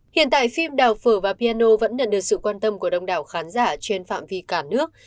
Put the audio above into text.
hiện tại phim đào phở và piano vẫn nhận được sự quan tâm của đông đảo khán giả trên phạm vi cả nước